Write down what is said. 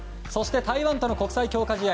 台湾との国際強化試合